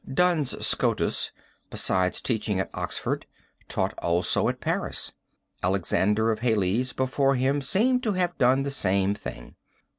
Duns Scotus, besides teaching in Oxford, taught also at Paris. Alexander of Hales before him seems to have done the same thing.